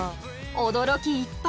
驚きいっぱい！